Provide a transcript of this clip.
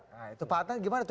nah itu pak atna gimana itu